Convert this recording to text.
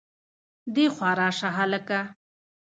دېخوا راشه هلکه